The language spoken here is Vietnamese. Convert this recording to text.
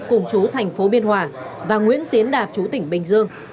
cùng chú thành phố biên hòa và nguyễn tiến đạt chú tỉnh bình dương